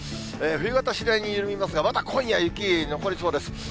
冬型、次第に緩みますが、まだ今夜、雪残りそうです。